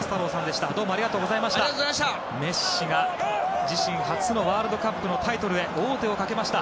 メッシが自身初のワールドカップのタイトルへ王手をかけました。